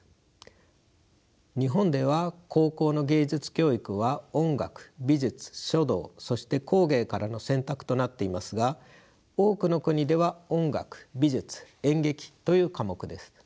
日本では高校の芸術教育は音楽美術書道そして工芸からの選択となっていますが多くの国では音楽美術演劇という科目です。